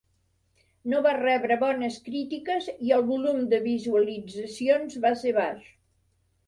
No va rebre bones crítiques i el volum de visualitzacions va ser baix.